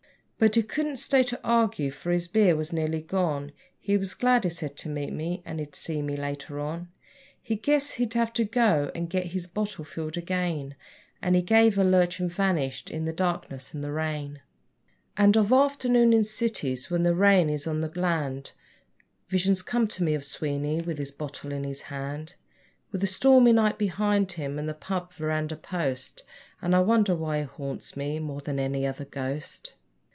But he couldn't stay to argue, for his beer was nearly gone. He was glad, he said, to meet me, and he'd see me later on; He guessed he'd have to go and get his bottle filled again, And he gave a lurch and vanished in the darkness and the rain. ..... And of afternoons in cities, when the rain is on the land, Visions come to me of Sweeney with his bottle in his hand, With the stormy night behind him, and the pub verandah post And I wonder why he haunts me more than any other ghost.